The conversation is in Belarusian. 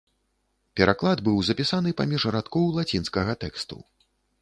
Пераклад быў запісаны паміж радкоў лацінскага тэксту.